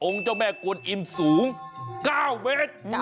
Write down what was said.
เจ้าแม่กวนอิ่มสูง๙เมตร